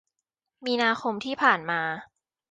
มีนาคมที่ผ่านมา